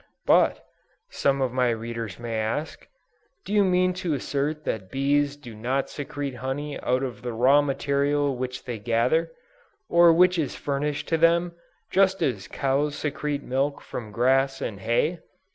"But," some of my readers may ask, "do you mean to assert that bees do not secrete honey out of the raw material which they gather, or which is furnished to them, just as cows secrete milk from grass and hay?"